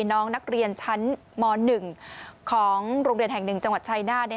น้องนักเรียนชั้นม๑ของโรงเรียนแห่ง๑จังหวัดชายนาฏ